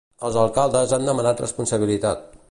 Els alcaldes han demanat responsabilitat.